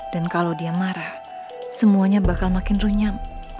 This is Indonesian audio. dan kalau dia marah semuanya bakal makin runyam